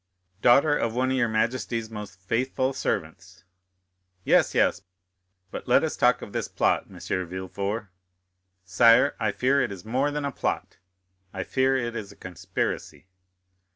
"Daughter of one of your majesty's most faithful servants." "Yes, yes; but let us talk of this plot, M. de Villefort." "Sire, I fear it is more than a plot; I fear it is a conspiracy."